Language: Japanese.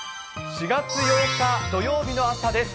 ４月８日土曜日の朝です。